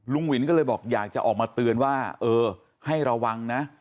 หวินก็เลยบอกอยากจะออกมาเตือนว่าเออให้ระวังนะ